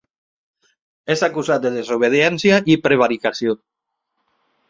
És acusat de desobediència i prevaricació.